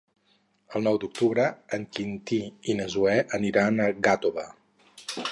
El nou d'octubre en Quintí i na Zoè aniran a Gàtova.